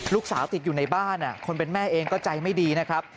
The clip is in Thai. ติดอยู่ในบ้านคนเป็นแม่เองก็ใจไม่ดีนะครับ